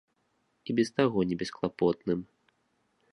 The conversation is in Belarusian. І без таго небесклапотным.